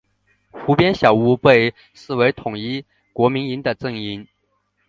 湖边小屋被视为统一国民党的阵营。